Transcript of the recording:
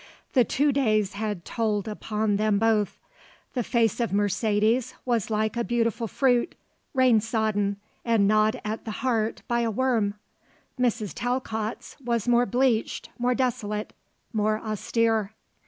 The two days had told upon them both. The face of Mercedes was like a beautiful fruit, rain sodden and gnawed at the heart by a worm. Mrs. Talcott's was more bleached, more desolate, more austere.